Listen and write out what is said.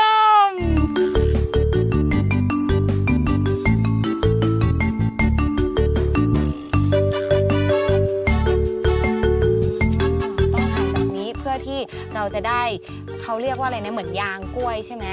อาหารแบบนี้เพื่อที่เราจะได้เขาเรียกว่าอะไรนะเหมือนยางกล้วยใช่ไหม